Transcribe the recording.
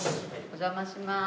お邪魔します。